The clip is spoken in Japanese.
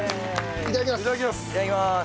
いただきます！